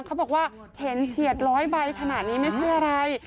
เขาบอกว่าเห็นเฉียดร้อยใบขนาดนี้ไม่ใช่อะไร